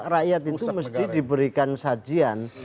rakyat itu mesti diberikan sajian